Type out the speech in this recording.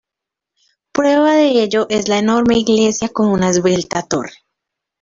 Prueba de ello es la enorme iglesia con una esbelta torre.